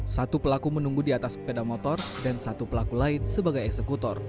satu pelaku menunggu di atas sepeda motor dan satu pelaku lain sebagai eksekutor